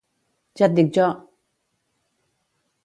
Ja et dic jo!